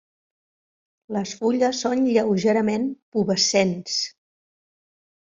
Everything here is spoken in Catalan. Les fulles són lleugerament pubescents.